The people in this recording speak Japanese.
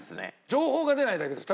情報が出ないだけです。